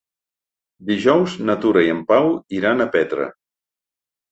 Dijous na Tura i en Pau iran a Petra.